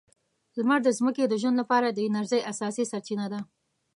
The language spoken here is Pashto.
لمر د ځمکې د ژوند لپاره د انرژۍ اساسي سرچینه ده.